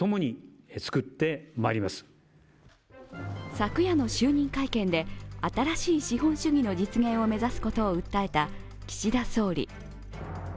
昨夜の就任会見で、新しい資本主義の実現を目指すことを訴えた岸田総理。